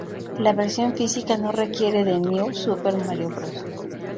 La versión física no requiere de New Super Mario Bros.